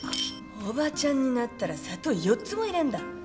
おばちゃんになったら砂糖４つも入れんだ。